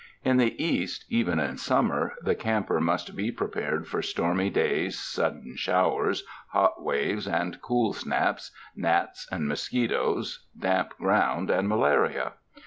In the East even in summer the camper must be prepared for stormy days, sudden showers, hot waves and cool snaps, gnats and mosquitoes, damp ground and malaria.